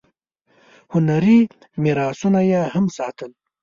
هنري میراثونه یې هم ساتل.